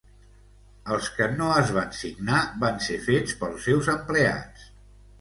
Els que no es van signar, van ser fets pels seus empleats.